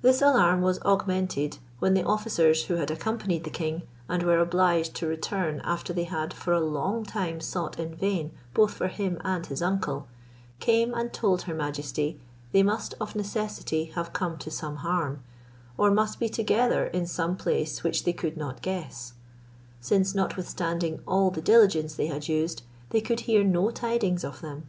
This alarm was augmented, when the officers, who had accompanied the king, and were obliged to return after they had for a long time sought in vain both for him and his uncle, came and told her majesty they must of necessity have come to some harm, or must be together in some place which they could not guess; since, notwithstanding all the diligence they had used, they could hear no tidings of them.